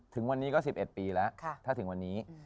ถึงวันนี้ก็๑๑ปีแล้วถ้าถึงวันนี้